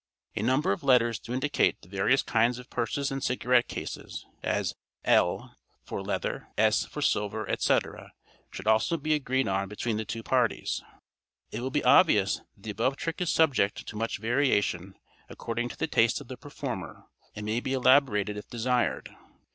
A number of letters to indicate the various kinds of purses and cigarette cases, as "L." for leather, "S." for silver, etc., should also be agreed on between the two parties. It will be obvious that the above trick is subject to much variation according to the taste of the performer, and may be elaborated if desired.